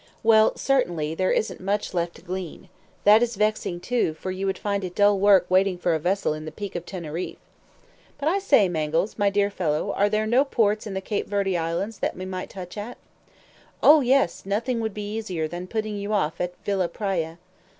"Well, certainly, there isn't much left to glean. That is vexing, too, for you would find it dull work waiting for a vessel in the Peak of Teneriffe." "But, I say, Mangles, my dear fellow, are there no ports in the Cape Verde Islands that we might touch at?" "Oh, yes, nothing would be easier than putting you off at Villa Praya."